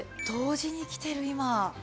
同時にきてる今。